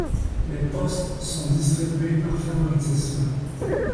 Les postes sont distribués par favoritisme.